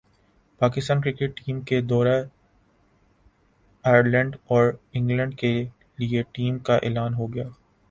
Pakistan cricket team کے دورہ Ireland اور انگلینڈ کیلئے ٹیم کا اعلان ہو گیا